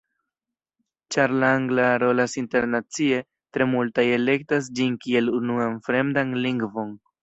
Ĉar la angla rolas internacie, tre multaj elektas ĝin kiel unuan fremdan lingvon.